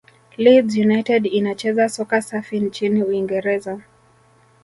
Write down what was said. leeds united inacheza soka safi nchini uingereza